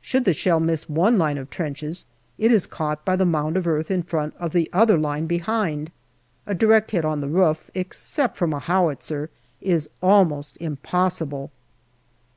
Should the shell miss one line of trenches, it is caught by the mound of earth in front of the other line behind. A direct hit on the roof, except from a howitzer, is almost impossible.